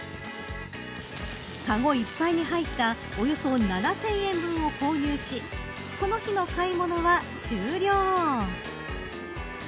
かごいっぱいに入ったおよそ７０００円分を購入しこの日の買い物は終了。